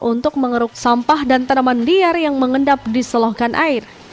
untuk mengeruk sampah dan tanaman liar yang mengendap di selohkan air